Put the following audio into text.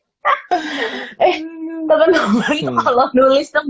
eh dokter nungguin kalo nulis tuh